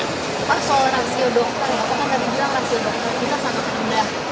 cuma soal rasio dokter kan tadi bilang rasio dokter kita sangat rendah